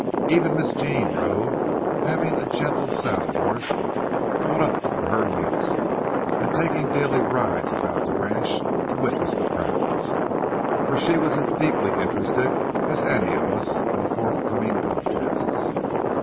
Even Miss Jean rode—having a gentle saddle horse caught up for her use, and taking daily rides about the ranch, to witness the practice, for she was as deeply interested as any of us in the forthcoming contests.